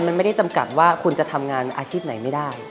มันไม่ได้จำกัดว่าคุณจะทำงานอาชีพไหนไม่ได้